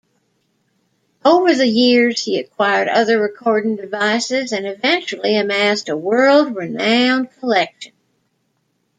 Over the years, he acquired other recording devices and eventually amassed a world-renowned collection.